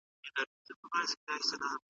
د ارغنداب سیند د خلکو د اقتصاد بنسټ دی.